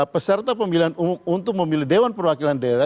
peserta pemilihan umum untuk memilih dewan perwakilan daerah